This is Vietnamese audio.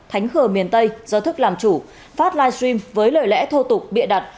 thánh khờ miền tây do thức làm chủ phát live stream với lời lẽ thô tục bịa đặt